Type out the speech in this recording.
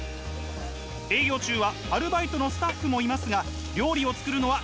営業中はアルバイトのスタッフもいますが料理を作るのは